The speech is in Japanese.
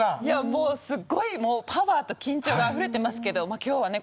もうすっごいパワーと緊張があふれてますけど今日はね